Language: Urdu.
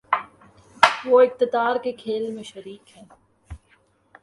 وہ اقتدار کے کھیل میں شریک ہیں۔